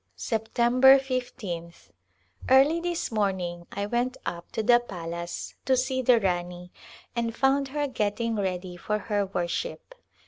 September l^th. Early this morning I went up to the palace to see the Rani and found her getting ready for her worship.